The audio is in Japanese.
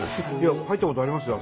入ったことありますよ。